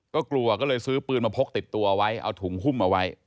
ก็กลัวก็เลยซื้อปืนมาพกติดตัวไว้เอาถุงหุ้มเอาไว้